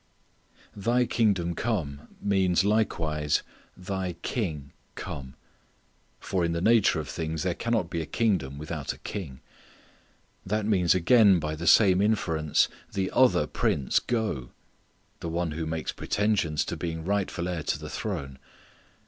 "Thy kingdom come" means likewise "Thy king come," for in the nature of things there cannot be a kingdom without a king. That means again by the same inference, "the other prince go," the one who makes pretensions to being rightful heir to the throne.